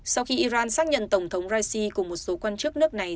sau khi iran xác nhận tổng thống raisi cùng một số quan chức nước này